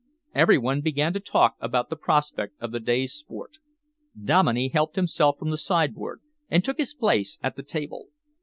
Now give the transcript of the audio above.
Every one began to talk about the prospect of the day's sport. Dominey helped himself from the sideboard and took his place at the table.